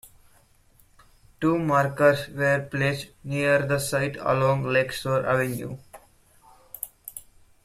Two markers were placed near the site along Lakeshore Avenue.